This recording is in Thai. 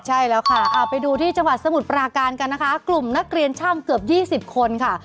ใช่แล้วค่ะไปดูที่จังหวัดสมุทรปราการกันนะคะกลุ่มนักเรียนช่างเกือบ๒๐คนค่ะ